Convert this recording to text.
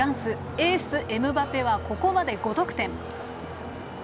エース、エムバペはここまで５得点。